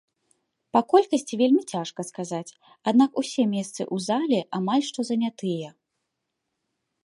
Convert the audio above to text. Па колькасці вельмі цяжка сказаць, аднак усе месцы ў залі амаль што занятыя.